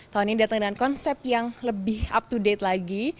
tahun ini datang dengan konsep yang lebih up to date lagi